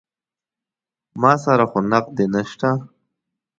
ما سره خو نقدې نه شته.